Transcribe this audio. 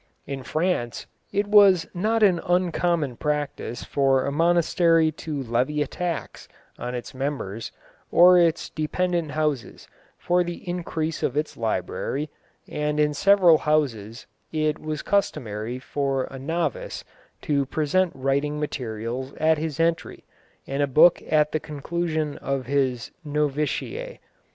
In France it was not an uncommon practice for a monastery to levy a tax on its members or its dependent houses for the increase of its library, and in several houses it was customary for a novice to present writing materials at his entry and a book at the conclusion of his novitiate.